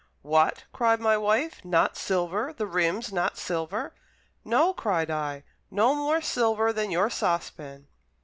"What," cried my wife, "not silver, the rims not silver!" "No," cried I, "no more silver than your sauce pan."